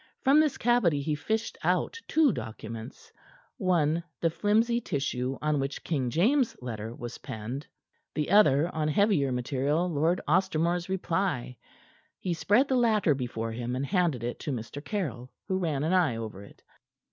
From this cavity he fished out two documents one the flimsy tissue on which King James' later was penned; the other on heavier material Lord Ostermore's reply. He spread the latter before him, and handed it to Mr. Caryll, who ran an eye over it.